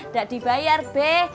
gak dibayar be